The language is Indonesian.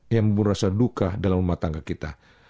yang membuat rasa duka dalam rumah tangga kita